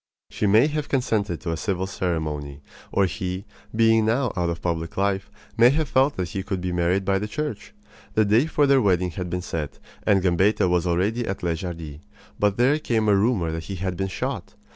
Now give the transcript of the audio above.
She may have consented to a civil ceremony; or he, being now out of public life, may have felt that he could be married by the Church. The day for their wedding had been set, and Gambetta was already at Les Jardies. But there came a rumor that he had been shot.